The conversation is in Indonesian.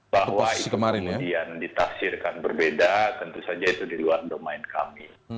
bahwa itu kemudian ditafsirkan berbeda tentu saja itu di luar domain kami